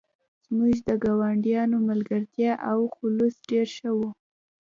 زموږ د ګاونډیانو ملګرتیا او خلوص ډیر ښه و